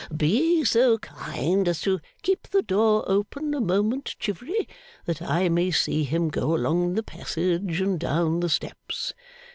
'Be so kind as to keep the door open a moment, Chivery, that I may see him go along the passage and down the steps.